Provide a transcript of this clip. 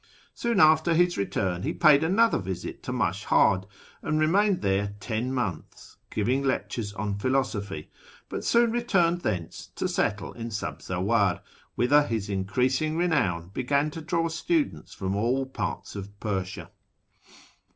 Soon after his return he paid another visit to Mashhad, and remained there ten months, giving lectures on philosophy, but soon returned thence to settle in Sabzaw^ar, whither his increasing renown began to draw students from all parts of Persia.